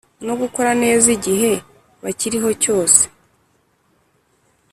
no gukora neza igihe bakiriho cyose